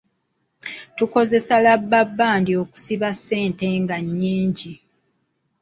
Tukozesa labbabbandi okusiba ssente nga nnyingi.